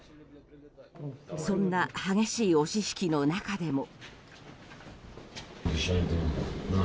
そんな激しい押し引きの中でも。